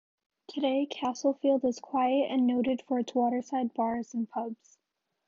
Today, Castlefield is quiet and noted for its waterside bars and pubs.